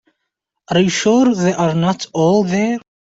Are you sure they are not all there?